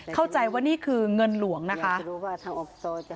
เข้าใจว่านี่คือเงินหลวงนะคะ